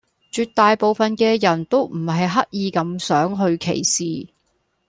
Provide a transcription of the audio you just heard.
絕大部份嘅人都唔係刻意咁想去歧視